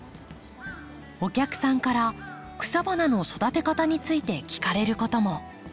お客さんから草花の育て方について聞かれることも。